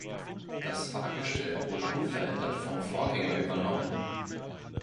Das Fahrgestell wurde unverändert vom Vorgänger übernommen.